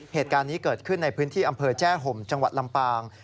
เหตุการณ์นี้เกิดขึ้นในพื้นที่อำเภอแจ้ห่มจังหวัดลำปาง